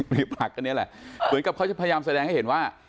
ผลักอันนี้แหละเหมือนกับเขาจะพยายามแสดงให้เห็นว่า